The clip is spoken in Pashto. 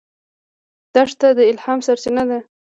دښته د الهام سرچینه ده.